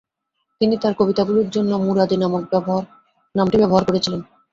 তিনি তাঁর কবিতাগুলির জন্য "মুরাদি" নামটি ব্যবহার করেছিলেন।